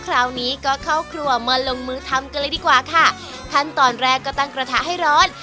คราวนี้ก็เข้าครัวมาลงมือทำกันเลยดีกว่าค่ะขั้นตอนแรกก็ตั้งกระทะให้ร้อน